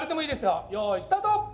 よいスタート。